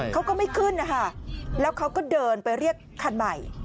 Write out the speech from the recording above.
เขาก็ไม่ขึ้นนะคะแล้วเขาก็เดินไปเรียกคันใหม่